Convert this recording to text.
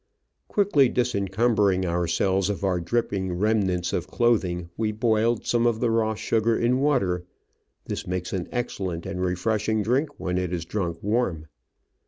Quickly disencumbering ourselves of our dripping remnants of clothing, we boiled some of the raw sugar in water — this makes an excellent and refreshing drink when it is drunk warm.